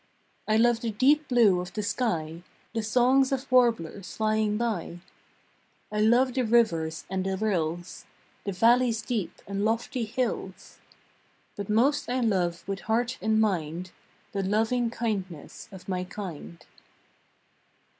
I love the deep blue of the sky, The songs of warblers flying by. I love the rivers and the rills, The valleys deep and lofty hills. But most I love with heart and mind The loving kindness of my kind.